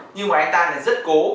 nhưng mà anh ta này rất cố